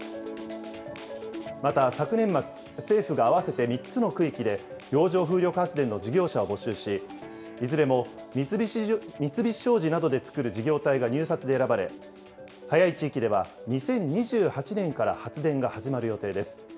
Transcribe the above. また昨年末、政府が合わせて３つの区域で洋上風力発電の事業者を募集し、いずれも三菱商事などで作る事業体が入札で選ばれ、早い地域では２０２８年から発電が始まる予定です。